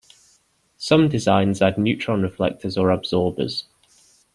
Some designs add neutron reflectors or absorbers.